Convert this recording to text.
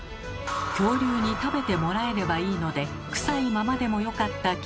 恐竜に食べてもらえればいいのでクサいままでもよかったぎんなん。